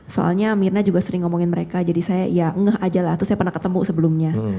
soalnya mirna juga sering ngomongin mereka jadi saya ya ngeh aja lah atau saya pernah ketemu sebelumnya